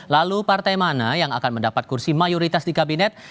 lalu partai mana yang akan mendapat kursi mayoritas di kabinet